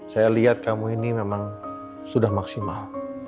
saya lihat kamu ini memang sudah maksimal